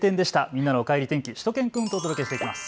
みんなのおかえり天気、しゅと犬くんとお届けしていきます。